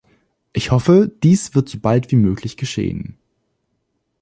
Ich hoffe, dies wird so bald wie möglich geschehen.